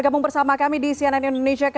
terima kasih banyak